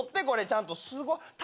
これちゃんとすごい。